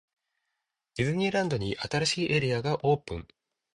ディズニーランドに、新しいエリアがオープン!!